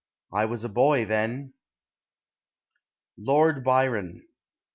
— I was a boy then. LORD BYRON.